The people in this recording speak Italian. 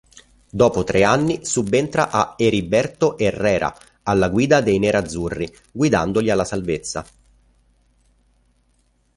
Dopo tre anni subentra a Heriberto Herrera alla guida dei nerazzurri, guidandoli alla salvezza.